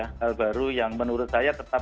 hal baru yang menurut saya tetap